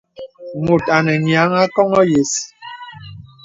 Mùt anə nyìa àkoŋɔ̄ yə̀s.